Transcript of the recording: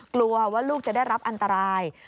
กลัวว่าลูกจะได้รับอันตราย